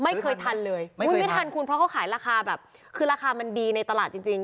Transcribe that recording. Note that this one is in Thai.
ไม่ทันเลยไม่ทันคุณเพราะเขาขายราคาแบบคือราคามันดีในตลาดจริงจริง